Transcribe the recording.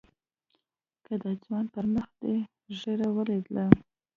که د ځوان پر مخ دې ږيره وليده.